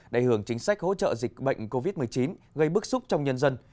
để hưởng chính sách hỗ trợ dịch bệnh covid một mươi chín gây bức xúc trong nhân dân